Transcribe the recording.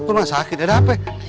rumah sakit ada apa ya